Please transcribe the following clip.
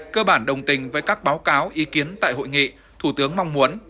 cơ bản đồng tình với các báo cáo ý kiến tại hội nghị thủ tướng mong muốn